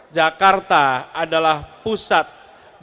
jakarta adalah pusat pergerakan manusia